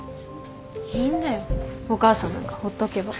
いいんだよお母さんなんかほっとけば。